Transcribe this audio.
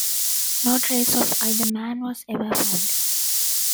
No trace of either man was ever found.